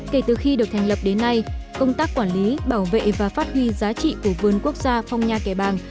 kể từ khi được thành lập đến nay công tác quản lý bảo vệ và phát huy giá trị của vườn quốc gia phong nha kẻ bàng